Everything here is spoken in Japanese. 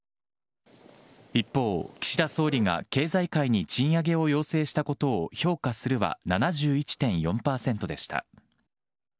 一方、岸田総理が経済界に賃上げを要請したことを評価するは７１．４％でした。